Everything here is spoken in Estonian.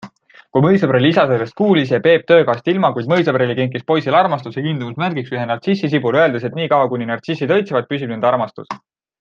Kui mõisapreili isa sellest kuulis, jäi Peep töökohast ilma, kuid mõisapreili kinkis poisile armastuse ja kiindumuse märgiks ühe nartsissisibula, öeldes, et nii kaua, kuni nartsissid õitsevad, püsib nende armastus.